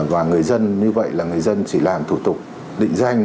và người dân như vậy là người dân chỉ làm thủ tục định danh